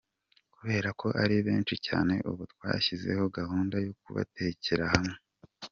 Kubera ko ari benshi cyane ubu twashyizeho gahunda yo kubatekera hamwe.